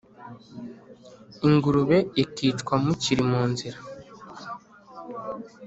Ingurube ikicwa mukiri mu nzira